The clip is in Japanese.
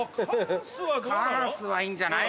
カラスはいいんじゃない？